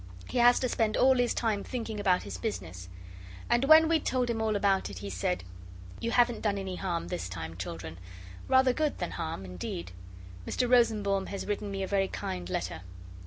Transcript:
He has to spend all his time thinking about his business. And when we'd told him all about it he said 'You haven't done any harm this time, children; rather good than harm, indeed. Mr Rosenbaum has written me a very kind letter.